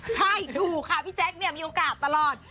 ใช่ดูค่ะพี่แจ๊กมีโอกาสตลอด